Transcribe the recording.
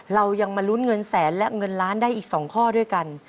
เรายังมาลุ้นเงินแสนและเงินล้านได้อีก๒ข้อด้วยกัน